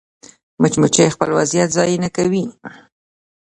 مچمچۍ خپل وخت ضایع نه کوي